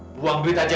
buang duit aja